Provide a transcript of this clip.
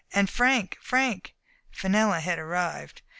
And Frank — Frank?" Fenella had arrived.